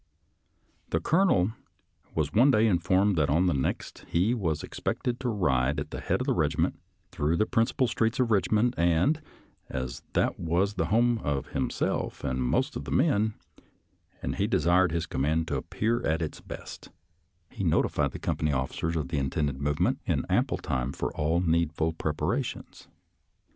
The Colo nel was one day informed that on the next he was expected to ride at the head of his regiment through the principal streets of Eichmond, and, as that was the home of himself and most of the men, and he desired his command to appear at 102 SOLDIER'S LETTERS TO CHARMING NELLIE its best, he notified the company officers of the intended movement in ample time for all need ful preparations.